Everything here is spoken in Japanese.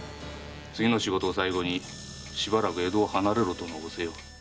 次の仕事を最後にしばらく江戸を離れろとの仰せよ。